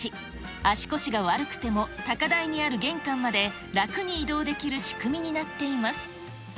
足腰が悪くても、高台にある玄関まで楽に移動できる仕組みになっています。